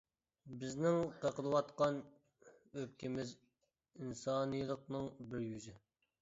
بىزنىڭ قېقىلىۋاتقان ئۆپكىمىز ئىنسانىيلىقنىڭ بىر يۈزى.